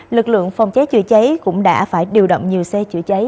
lực lượng phòng cháy chữa cháy cũng đã phải điều động nhiều xe chữa cháy